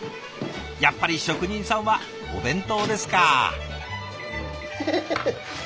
やっぱり職人さんはお弁当ですか。